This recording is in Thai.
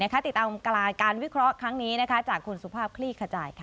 ตามกลางการวิเคราะห์ครั้งนี้นะคะจากคุณสุภาพคลี่ขจายค่ะ